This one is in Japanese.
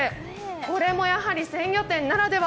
これもやはり鮮魚店ならでは。